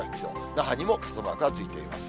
那覇にも傘マークがついています。